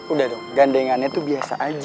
udah tuh gandengannya tuh biasa aja